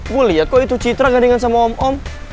gue liat kok itu citra gandengan sama om om